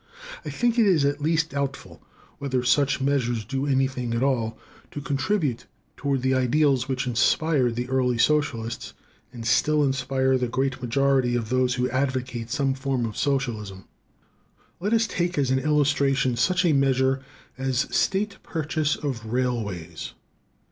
I think it is at least doubtful whether such measures do anything at all to contribute toward the ideals which inspired the early socialists and still inspire the great majority of those who advocate some form of socialism. Let us take as an illustration such a measure as state purchase of railways.